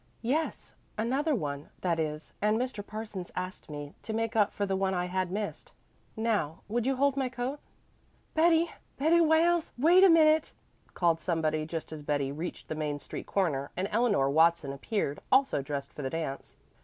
"Yes another one, that is; and Mr. Parsons asked me, to make up for the one I had to miss. Now, would you hold my coat?" "Betty! Betty Wales! Wait a minute," called somebody just as Betty reached the Main Street corner, and Eleanor Watson appeared, also dressed for the dance.